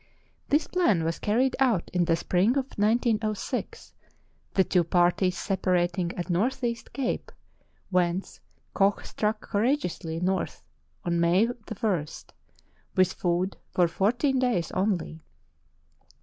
This plan was carried out in the spring of 1906, the two parties separating at Northeast Cape, whence Koch struck courageously north on May i, with food for fourteen days only.